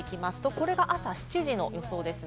これが７時の予想です。